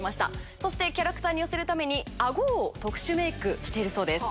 そしてキャラクターに寄せるために顎を特殊メイクしているそうです。